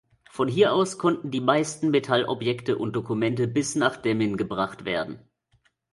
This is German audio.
Von hier aus konnten die meisten Metallobjekte und Dokumente bis nach Demmin gebracht werden.